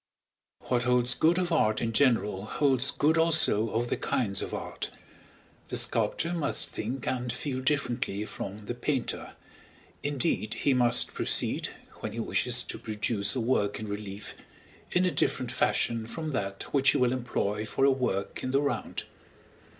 What holds good of art in general holds good also of the kinds of art. The sculptor must think and feel differently from the painter, indeed he must proceed when he wishes to produce a work in relief, in a different fashion from that which he will employ for a work in the round.